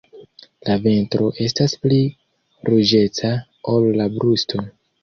La ventro estas pli ruĝeca ol la brusto.